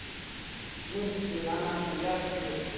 「６つ７つ８つ」。